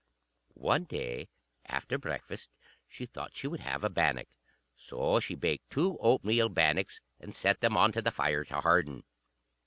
One day, after breakfast, she thought she would have a bannock. So she baked two oatmeal bannocks, and set them on to the fire to harden.